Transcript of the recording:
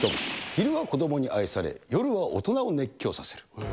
昼は子どもに愛され、夜は大人を熱狂させる。